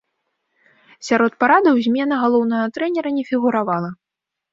Сярод парадаў змена галоўнага трэнера не фігуравала.